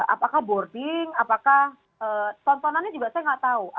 apakah boarding apakah tontonannya juga saya nggak tahu